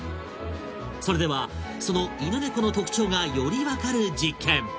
それではその犬猫の特徴がより分かる実験！